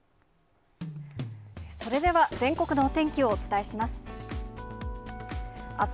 それでは全国のお天気をお伝えします。